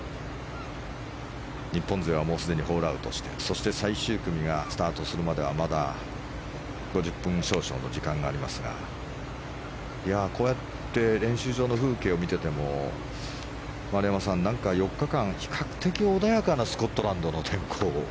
日本勢はもうすでにホールアウトしてそして最終組がスタートするまでにはまだ５０分少々の時間がありますがこうやって練習場の風景を見ていても丸山さん、なんか４日間比較的穏やかなスコットランドの天候。